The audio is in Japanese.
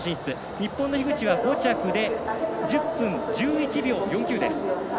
日本の樋口は１０分１１秒４９です。